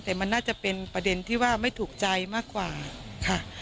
แต่มันน่าจะเป็นประเด็นที่ว่าไม่ถูกใจมากกว่าค่ะ